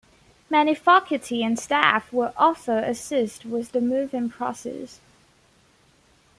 Many faculty and staff will also assist with the move-in process.